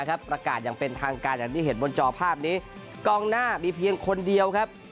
ครับประกาศยังเป็นทางการจากที่เห็นบนจอภาพนี้กองรับน่ามีเพียงคนเดียวครับ